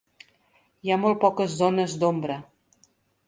Hi ha molt poques zones d'ombra.